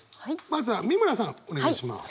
まずは美村さんお願いします。